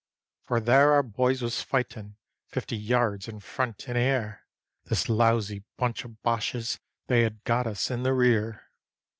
For there our boys was fightin' fifty yards in front, and 'ere This lousy bunch of Boches they 'ad got us in the rear.